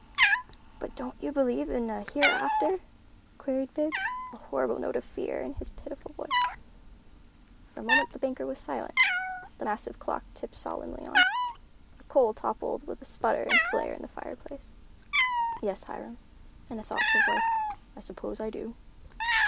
"But don't you believe in a hereafter?" queried Biggs, a horrible note of fear in his pitiful voice. For a moment the banker was silent; the massive clock ticked solemnly on. A coal toppled with a sputter and flare in the fireplace. "Yes, Hiram," in a thoughtful voice, "I suppose I do."